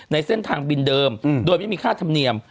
ในเส้นทางบินเดิมโดยไม่มีค่าธรรมเนียม